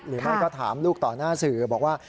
หรือไม่ก็ถามลูกต่อหน้าสื่อบอกว่า